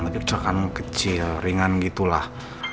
kecelakaan kecil ringan gitulah